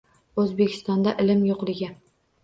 O‘zbekistonda ilm yo‘qligi